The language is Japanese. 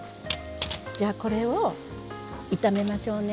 じゃあこれを炒めましょうね。